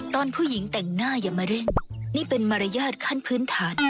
ตอนผู้หญิงแต่งหน้าอย่ามาเร่งนี่เป็นมารยาทขั้นพื้นฐาน